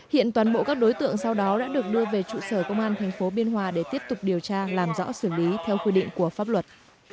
hiện toàn bộ các đối tượng sau đó đã được đưa về trụ sở công an tp biên hòa để tiếp tục điều tra làm rõ xử lý theo quy định của pháp luật